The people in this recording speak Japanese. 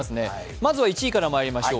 まずは１位からまいりましょう。